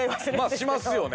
まあしますよね。